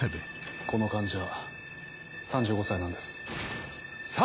この患者３５歳なんです。